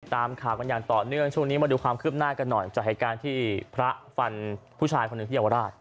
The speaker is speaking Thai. ตามข่าวกันอย่างต่อเนื่องช่วงนี้มาดูความคืบหน้ากันหน่อยจากเหตุการณ์ที่พระฟันผู้ชายคนหนึ่งที่เยาวราช